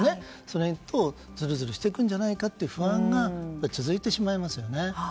それとずるずるしていくんじゃないかという不安が続いてしまいますよね。